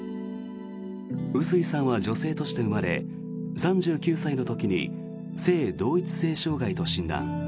臼井さんは女性として生まれ３９歳の時に性同一性障害と診断。